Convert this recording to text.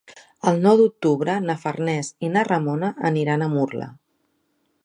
El nou d'octubre na Farners i na Ramona aniran a Murla.